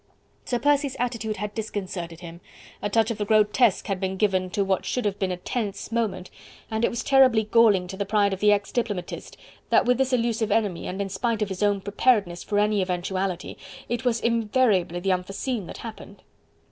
Sir Percy's attitude had disconcerted him, a touch of the grotesque had been given to what should have been a tense moment, and it was terribly galling to the pride of the ex diplomatist that with this elusive enemy and in spite of his own preparedness for any eventuality, it was invariably the unforeseen that happened.